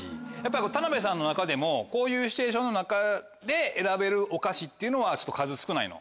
田辺さんの中でもこういうシチュエーションの中で選べるお菓子っていうのは数少ないの？